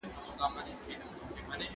زموږ به په رګونو کي یوه وینه بهیږي